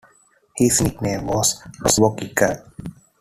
His nickname was "Robokicker".